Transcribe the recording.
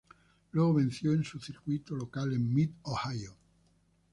Luego venció en su circuito local en Mid-Ohio.